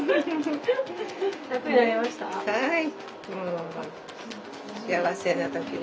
はい。